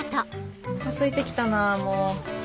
お腹すいて来たなもう。